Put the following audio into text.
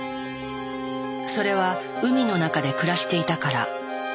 それは海の中で暮らしていたから。